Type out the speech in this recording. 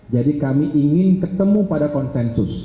jadi kami ingin ketemu pada konsensus